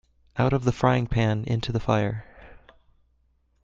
Out of the frying pan into the fire.